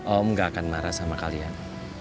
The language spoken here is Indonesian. om gak akan marah sama kalian